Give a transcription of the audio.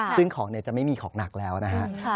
ซึ่งของจะไม่มีของหนักแล้วนะฮะ